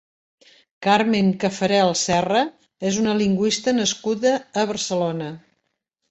Carmen Caffarel Serra és una lingüista nascuda a Barcelona.